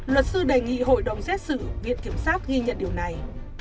luật sư đề nghị hội đồng xét xử viện kiểm sát ghi nhận điều này